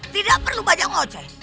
tidak perlu banyak ngoceh